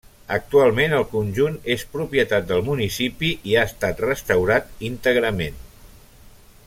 Actualment el conjunt és propietat del municipi i ha estat restaurat íntegrament.